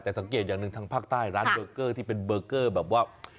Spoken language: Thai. แต่สังเกตอย่างหนึ่งทางภาคใต้ร้านเบอร์เกอร์ที่เป็นเบอร์เกอร์แบบว่า